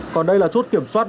công an thành phố hòa bình